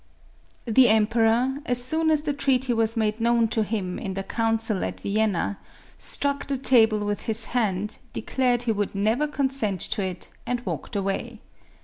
The emperor, as soon as the treaty was made known to him in the council at Vienna, struck the table with his hand, declared he would never consent to it, and walked away.